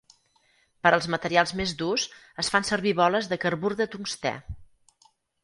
Per als materials més durs es fan servir boles de carbur de tungstè.